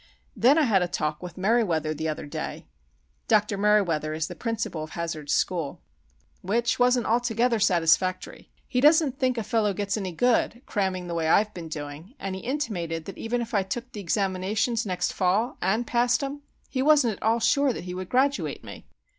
Then, I had a talk with Merriweather the other day" (Dr. Merriweather is the principal of Hazard's school), "which wasn't altogether satisfactory. He doesn't think a fellow gets any good cramming the way I've been doing, and he intimated that even if I took the examinations next fall, and passed 'em, he wasn't at all sure that he would graduate me.